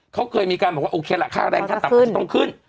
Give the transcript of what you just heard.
เขาเคยมีการบอกว่าโอเคแหละค่าแรงต้องขึ้น